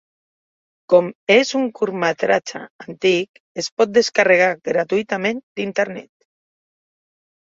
Com és un curtmetratge antic es pot descarregar gratuïtament d'internet.